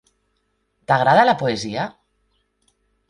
T'agrada la poesia?